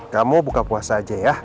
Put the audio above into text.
kamu buka puasa aja ya